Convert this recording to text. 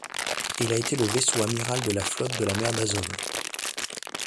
Il a été le vaisseau amiral de la flotte de la mer d'Azov.